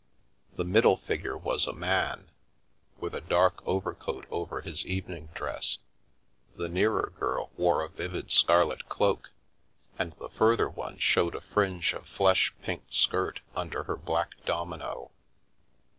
The middle figure was a man, with a dark over coat over his evening dress, the nearer girl wore a vivid scarlet cloak, and the further one showed a fringe of flesh pink skirt under her black domino.